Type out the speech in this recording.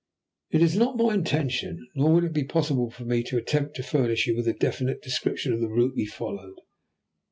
It is not my intention, nor would it be possible for me, to attempt to furnish you with a definite description of the route we followed.